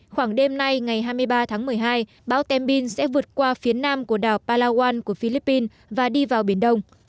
khoảng đêm nay ngày hai mươi ba tháng một mươi hai bão tem bin sẽ vượt qua phía nam của đảo palawan của philippines và đi vào biển đông